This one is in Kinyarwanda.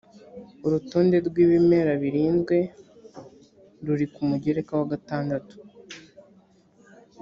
urutonde rw ibimera birinzwe ruri ku mugereka wa gatandatu